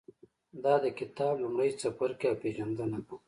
دا د کتاب لومړی څپرکی او پېژندنه ده.